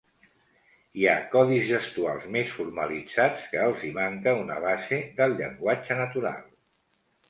Hi ha codis gestual més formalitzats que els hi manca una base del llenguatge natural.